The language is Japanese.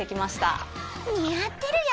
似合ってるよ！